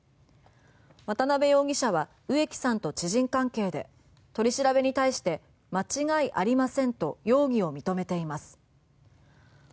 渡部容疑者は植木さんと知人関係で取り調べに対して間違いありませんと容疑を認めています。